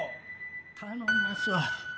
頼みますわ。